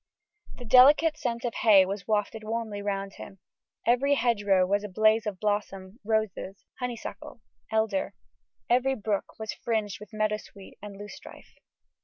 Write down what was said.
The delicate scent of hay was wafted warmly round him. Every hedgerow was a blaze of blossom, roses, honeysuckle, elder; every brook was fringed with meadowsweet and loosestrife.